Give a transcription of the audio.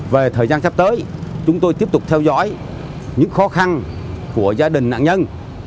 về thời gian sắp tới chúng tôi tiếp tục theo dõi những khó khăn của gia đình nạn nhân